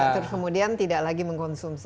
terus kemudian tidak lagi mengkonsumsi